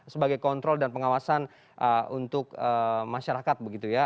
sebagai kontrol dan pengawasan untuk masyarakat begitu ya